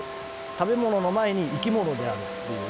食べものの前に生きものであるっていう。